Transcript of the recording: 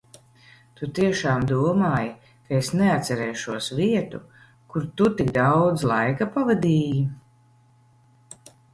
Tu tiešām domāji, ka es neatcerēšos vietu, kur tu tik daudz laika pavadīji?